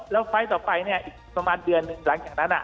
แล้วไฟล์ต่อไปเนี่ยอีกประมาณเดือนหนึ่งหลังจากนั้น